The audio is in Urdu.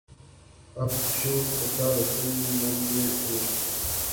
اب شویتا بچن نندا نے اپنی